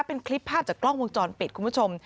เป็นคลิปภาพจากกล้องวงจรปิดคุณผู้ชม